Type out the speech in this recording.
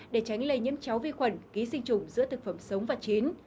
để tránh lây nhiễm cháo vi khuẩn ký sinh chủng giữa thực phẩm sống và chín